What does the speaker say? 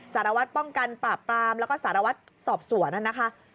สารวัตรป้องกันปราบปรามแล้วก็สารวัตรสอบสวนนะคะ